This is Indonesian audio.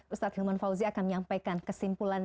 ustadz hilman fauzi akan menyampaikan kesimpulan